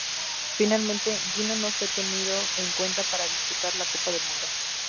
Finalmente, Gino no fue tenido en cuenta para disputar la Copa del Mundo.